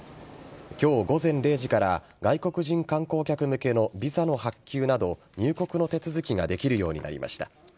今日午前０時から外国人観光客向けのビザの発給など入国の手続きができるようになりました。